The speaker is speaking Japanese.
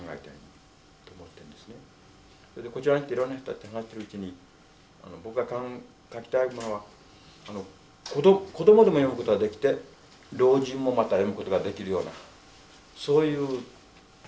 こちらに来ていろんな人たちと話しているうちに僕が書きたいものは子供でも読むことができて老人もまた読むことができるようなそういうもの。